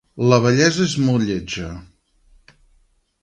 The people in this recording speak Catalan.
La vellesa és molt lletja.